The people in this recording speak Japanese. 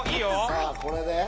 さあこれで。